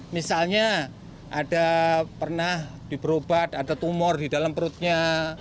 misalnya ada pernah diberobat ada tumor di dalam perutnya